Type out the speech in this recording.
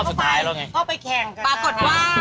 รอบสุดท้ายแล้วไงจะให้ไปแข่งกันฮะ